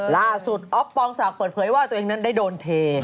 ออฟปองศักดิ์เปิดเผยว่าตัวเองนั้นได้โดนเท